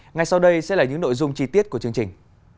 ngay sau đây sẽ là những nội dung chi tiết của chương trình